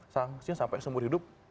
sangsi sampai seumur hidup